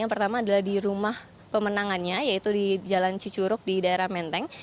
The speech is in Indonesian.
yang pertama adalah di rumah pemenangannya yaitu di jalan cicuruk di daerah menteng